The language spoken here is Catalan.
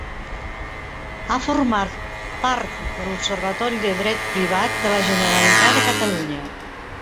Ha format part de l'Observatori de Dret Privat de la Generalitat de Catalunya.